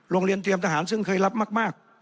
โรงเรียนเตรียมทหารซึ่งเคยรับมาก